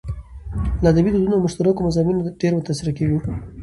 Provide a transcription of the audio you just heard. له ادبي دودونو او مشترکو مضامينو ډېر متاثره کېږو.